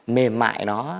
mềm mại đó